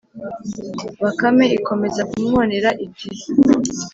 bakame ikomeza kumwonera iti.